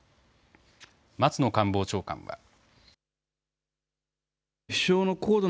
松野官房長官は。